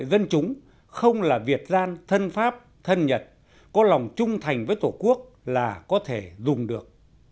dân chúng không là việt gian thân pháp thân nhật có lòng trung thành với tổ quốc là có thể dùng được